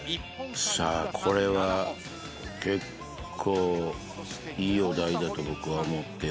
さあこれは結構いいお題だと僕は思っておりまして。